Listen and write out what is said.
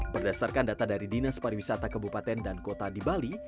berdasarkan data dari dinas pariwisata kebupaten dan kota di bali